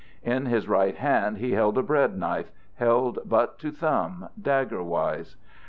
In his right hand he had a bread knife, held butt to thumb, dagger wise.